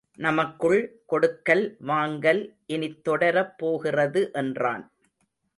நமக்குள் கொடுக்கல் வாங்கல் இனித் தொடரப்போகிறது என்றான்.